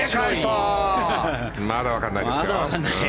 まだわからないですよ。